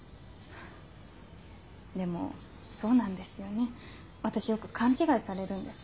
でもそうなんですよね私よく勘違いされるんです。